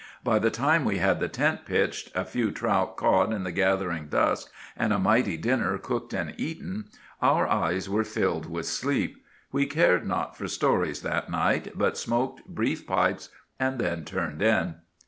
By the time we had the tent pitched, a few trout caught in the gathering dusk, and a mighty dinner cooked and eaten, our eyes were filled with sleep. We cared not for stories that night, but smoked brief pipes and then turned in.